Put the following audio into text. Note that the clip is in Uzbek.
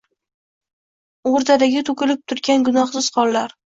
“O’rdadagi to’kilib turgan gunohsiz qonlar